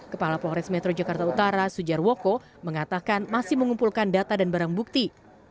kepala polres metro jakarta utara sujarwoko mengatakan masih mengumpulkan data dan barang bukti